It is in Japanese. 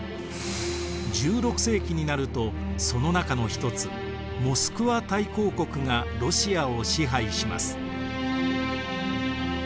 １６世紀になるとその中の一つモスクワ大公国がロシアを支配します。